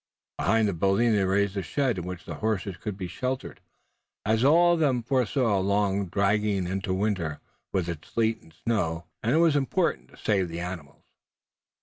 Behind the building they raised a shed in which the horses could be sheltered, as all of them foresaw a long stay, dragging into winter with its sleet and snow, and it was important to save the animals.